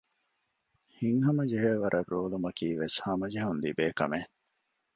ހިތްހަމަ ޖެހޭވަރަށް ރޯލުމަކީވެސް ހަމަޖެހުން ލިބޭކަމެއް